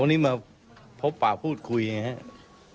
วันนี้มาพบป่าพูดคุยไงครับ